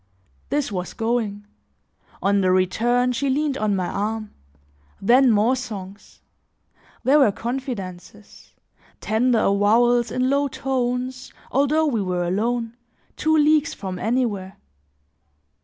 This was going; on the return, she leaned on my arm; then more songs; there were confidences, tender avowals in low tones, although we were alone, two leagues from anywhere.